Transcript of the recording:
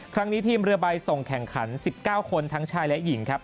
ทีมเรือใบส่งแข่งขัน๑๙คนทั้งชายและหญิงครับ